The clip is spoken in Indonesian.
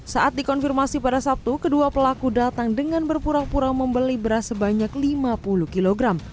saat dikonfirmasi pada sabtu kedua pelaku datang dengan berpura pura membeli beras sebanyak lima puluh kg